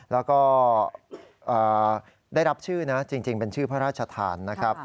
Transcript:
แล้วก็ได้รับชื่อนะจริงเป็นชื่อพระราชทานนะครับ